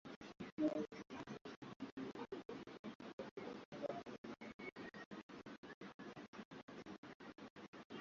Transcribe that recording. a ambalo linasalia na kusubiriwa kwa hamu